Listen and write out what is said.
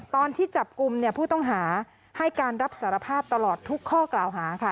ตอนที่จับกลุ่มเนี่ยผู้ต้องหาให้การรับสารภาพตลอดทุกข้อกล่าวหาค่ะ